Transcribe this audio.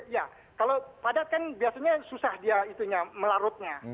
ya kalau padat kan biasanya susah dia itunya melarutnya